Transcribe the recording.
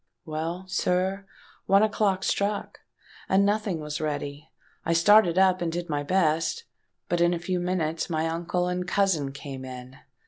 Well, sir, one o'clock struck; and nothing was ready. I started up, and did my best. But in a few minutes my uncle and cousin came in.